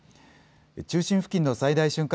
中心付近の最大瞬間